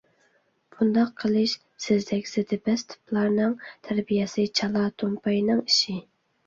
بۇنداق قىلىش سىزدەك زىدىپەس تىپلارنىڭ، تەربىيەسى چالا تومپاينىڭ ئىشى.